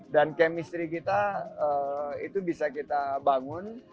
dan chemistry kita itu bisa kita bangun